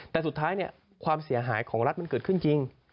แต่สุดท้ายความเสียหายของรัฐมันเกิดขึ้นจริง